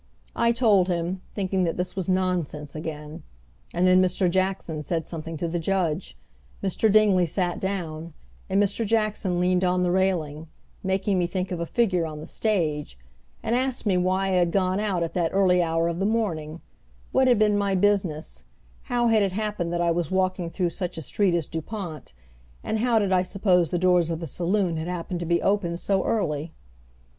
I told him, thinking that this was nonsense again. And then Mr. Jackson said something to the judge, Mr. Dingley sat down, and Mr. Jackson leaned on the railing, making me think of a figure on the stage, and asked me why had I gone out at that early hour of the morning, what had been my business, how had it happened that I was walking through such a street as Dupont, and how did I suppose the doors of the saloon had happened to be open so early?